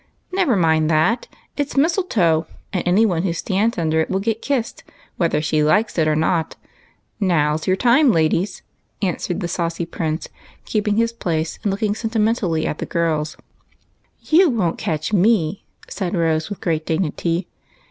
" Never mind that, it 's mistletoe, and any one who stands under it will get kissed whether they like it or not. Now's your time, ladies," answered the saucy Prince, keeping his place and looking sentimentally at the girls, w^ho retired precipitately from the dangerous, spot. " You won't catch me," said Rose, with gi eat dig nity.